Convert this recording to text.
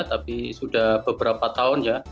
tapi sudah beberapa tahun ya